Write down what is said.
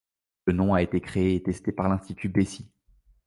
Le nom a été créé et testé par l'institut Bessis.